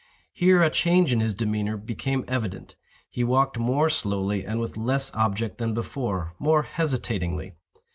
Here a change in his demeanor became evident. He walked more slowly and with less object than before—more hesitatingly.